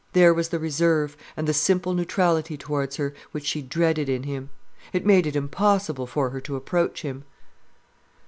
There was the reserve, and the simple neutrality towards her, which she dreaded in him. It made it impossible for her to approach him.